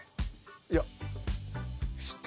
いや。